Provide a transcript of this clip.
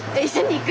行く。